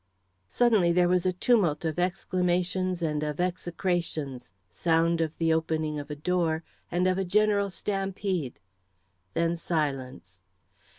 Suddenly there was a tumult of exclamations and of execrations, sound of the opening of a door, and of a general stampede. Then silence.